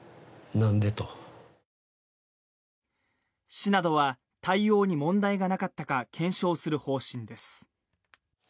市などは対応に問題がなかったか検証する方針です。